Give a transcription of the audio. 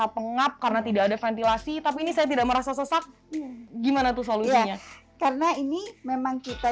mengantilasi tapi ini saya tidak merasa sesat gimana tuh solusinya karena ini memang kita